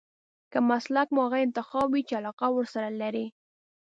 که مسلک مو هغه انتخاب وي چې علاقه ورسره لرئ.